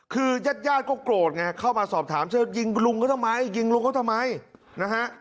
คือญาติญาติก็โกรธไงเข้ามาสอบถามเชิญยิงลุงเขาทำไมยิงลุงเขาทำไมนะฮะ